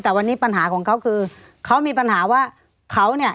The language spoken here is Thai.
แต่วันนี้ปัญหาของเขาคือเขามีปัญหาว่าเขาเนี่ย